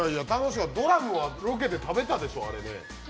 ドラムはロケで食べたでしょ、あれね。